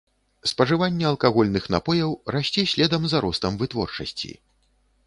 Спажыванне алкагольных напояў расце следам за ростам вытворчасці.